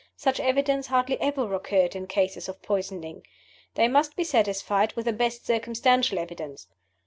Such evidence hardly ever occurred in cases of poisoning. They must be satisfied with the best circumstantial evidence.